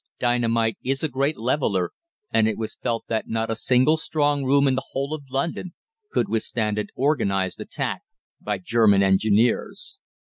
dynamite is a great leveller, and it was felt that not a single strong room in the whole of London could withstand an organised attack by German engineers.